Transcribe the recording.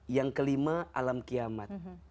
yang kelima alam kiamat